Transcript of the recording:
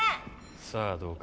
さあどうかな？